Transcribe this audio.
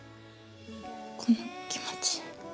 この気持ち。